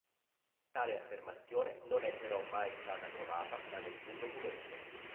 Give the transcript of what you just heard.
Tale affermazione non è però mai stata provata da nessun documento.